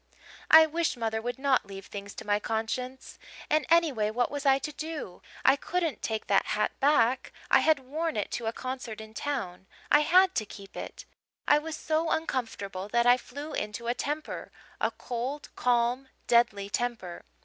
"I wish mother would not leave things to my conscience! And anyway, what was I to do? I couldn't take that hat back I had worn it to a concert in town I had to keep it! I was so uncomfortable that I flew into a temper a cold, calm, deadly temper.